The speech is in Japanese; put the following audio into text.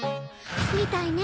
みたいね。